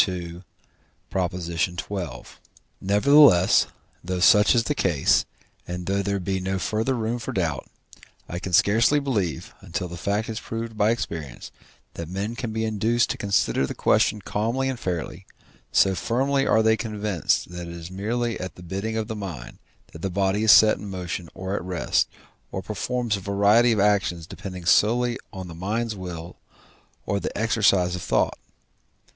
xii. Nevertheless, though such is the case, and though there be no further room for doubt, I can scarcely believe, until the fact is proved by experience, that men can be induced to consider the question calmly and fairly, so firmly are they convinced that it is merely at the bidding of the mind, that the body is set in motion or at rest, or performs a variety of actions depending solely on the mind's will or the exercise of thought.